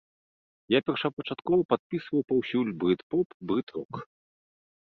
Я першапачаткова падпісваў паўсюль брыт-поп, брыт-рок.